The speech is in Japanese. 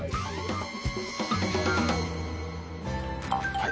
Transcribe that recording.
はい。